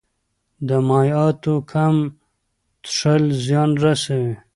د مایعاتو کم څښل زیان رسوي.